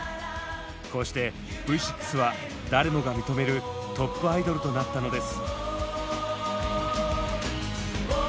こうしてＶ６は誰もが認めるトップアイドルとなったのです。